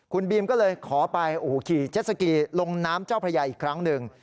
คุณบีมก็เลยขอไปขี่เจ็ดสกีลงน้ำเจ้าพระยาอีกครั้งหนึ่ง